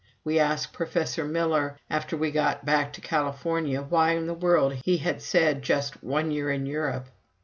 We asked Professor Miller, after we got back to California, why in the world he had said just "one year in Europe."